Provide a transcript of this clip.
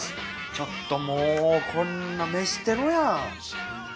ちょっともうこんなん飯テロやん。